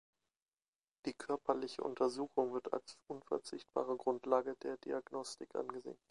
Die körperliche Untersuchung wird als unverzichtbare Grundlage der Diagnostik angesehen.